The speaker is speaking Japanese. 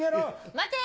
待て！